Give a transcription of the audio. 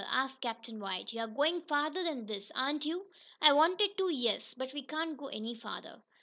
asked Captain White. "You're going farther than this; aren't you?" "I wanted to, yes. But we can't go any farther."